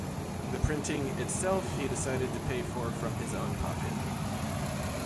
The printing itself he decided to pay for from his own pocket.